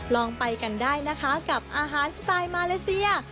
ลองไปกันได้นะคะกับอาหารสไตล์มาเลเซีย